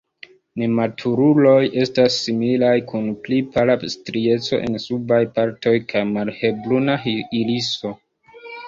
Nematuruloj estas similaj kun pli pala strieco en subaj partoj kaj malhelbruna iriso.